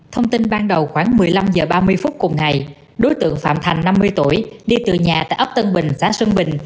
thông tin ban đầu khoảng một mươi năm h ba mươi phút cùng ngày đối tượng phạm thành năm mươi tuổi đi từ nhà tại ấp tân bình xã sơn bình